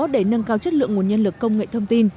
để nâng cao chất lượng nguồn nhân lực công nghệ thông tin